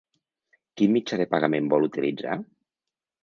Quin mitjà de pagament vol utilitzar?